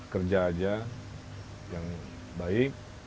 kerja aja yang baik